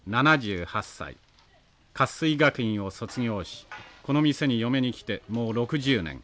活水学院を卒業しこの店に嫁に来てもう６０年。